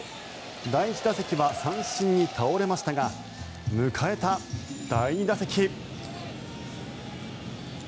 第１打席は三振に倒れましたが迎えた第２打席。